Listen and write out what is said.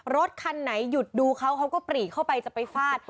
รถคันไหนหยุดดูเขาเขาก็ปรีเข้าไปจะไปฟาด